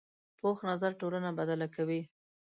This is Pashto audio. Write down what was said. پوخ نظر ټولنه بدله کوي